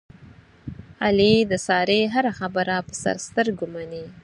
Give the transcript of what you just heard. علي د سارې هره خبره په سر سترګو مني.